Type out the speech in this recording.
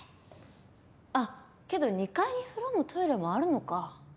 あっけど２階に風呂もトイレもあるのか。